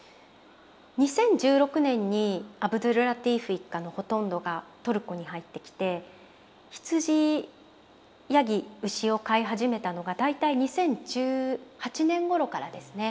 ２０１６年にアブドュルラティーフ一家のほとんどがトルコに入ってきて羊山羊牛を飼い始めたのが大体２０１８年ごろからですね。